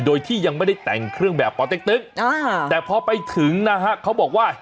โดยที่ยังไม่ได้แต่งเครื่องแบบปเต็กตึ๊กแต่พอไปถึงนะฮะเขาบอกว่า